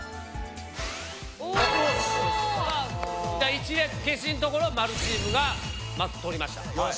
一列消しのところを○チームがまず取りました。